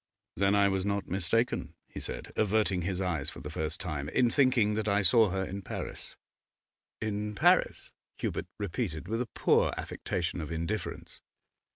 'Then I was not mistaken,' he said, averting his eyes for the first time, 'in thinking that I saw her in Paris.' 'In Paris?' Hubert repeated, with a poor affectation of indifference.